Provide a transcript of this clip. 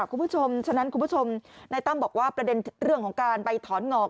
คุณผู้ชมฉะนั้นคุณผู้ชมนายตั้มบอกว่าประเด็นเรื่องของการไปถอนงอก